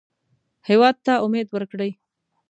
هېواد ته امید ورکړئ